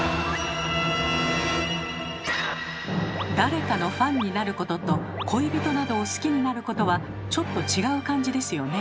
誰かのファンになることと恋人などを好きになることはちょっと違う感じですよね。